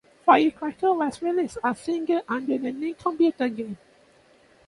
"Firecracker" was released as a single under the name "Computer Game".